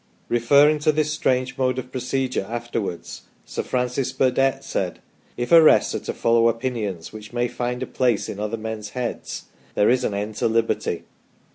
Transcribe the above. Referring to this strange mode of procedure afterwards Sir Francis Burdett said : "If arrests are to follow opinions which may find a place in other men's heads, there is an end to Liberty